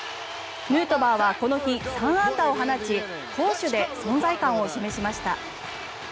ヌートバーはこの日３安打を放ち攻守で存在感を示しました。